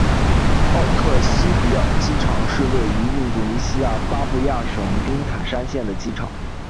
奥克西比尔机场是位于印度尼西亚巴布亚省宾坦山县的机场。